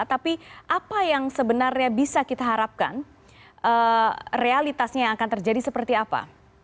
tapi apa yang sebenarnya bisa kita harapkan realitasnya yang akan terjadi seperti apa